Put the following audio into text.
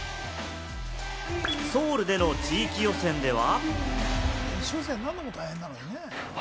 ソウルでの地域予選では。